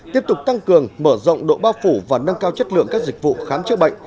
tiếp tục tăng cường mở rộng độ bao phủ và nâng cao chất lượng các dịch vụ khám chữa bệnh